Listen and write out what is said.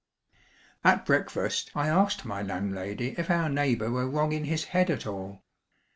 At breakfast I asked my landlady if our neighbour were wrong in his head at all.